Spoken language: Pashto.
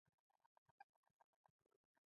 ایا د ټولو انسانانو جینونه یو شان دي؟